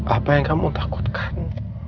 apa yang kamu takutkan